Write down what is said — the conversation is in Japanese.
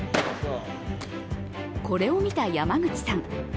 これを見た山口さん。